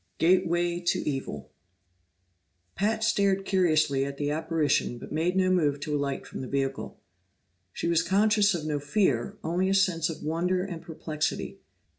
8 Gateway to Evil Pat stared curiously at the apparition but made no move to alight from the vehicle. She was conscious of no fear, only a sense of wonder and perplexity.